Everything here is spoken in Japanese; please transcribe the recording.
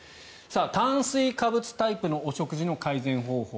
炭水化物タイプのお食事の改善方法